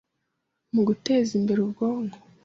mu guteza imbere ubwonko